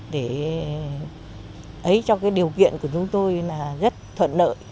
để ấy cho cái điều kiện của chúng tôi là rất thuận nợ